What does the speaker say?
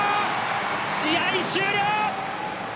試合終了！